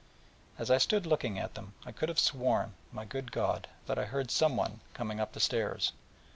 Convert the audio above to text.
As I stood looking at them, I could have sworn, my good God, that I heard someone coming up the stairs.